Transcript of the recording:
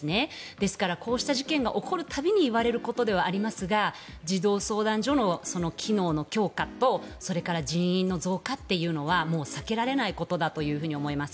ですからこうした事件が起こる度に言われることではありますが児童相談所の機能の強化とそれから人員の増加は避けられないことだと思います。